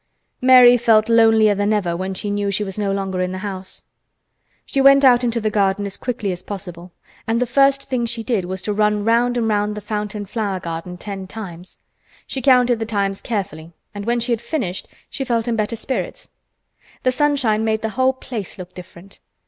Mary felt lonelier than ever when she knew she was no longer in the house. She went out into the garden as quickly as possible, and the first thing she did was to run round and round the fountain flower garden ten times. She counted the times carefully and when she had finished she felt in better spirits. The sunshine made the whole place look different.